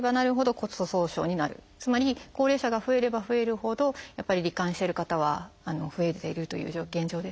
つまり高齢者が増えれば増えるほどやっぱり罹患してる方は増えているという現状ですね。